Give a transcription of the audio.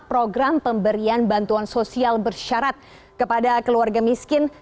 program pemberian bantuan sosial bersyarat kepada keluarga miskin